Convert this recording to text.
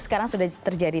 sekarang sudah terjadi